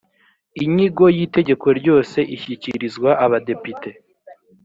inyigo y’itegeko ryose ishyikirizwa abadepite